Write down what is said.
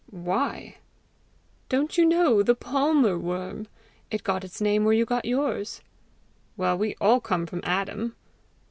"Why?" "Don't you know the palmer worm? It got its name where you got yours!" "Well, we all come from Adam!"